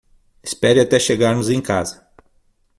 Espere até chegarmos em casa.